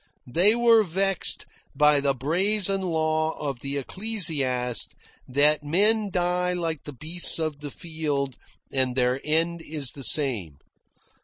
They were vexed by the brazen law of the Ecclesiast that men die like the beasts of the field and their end is the same.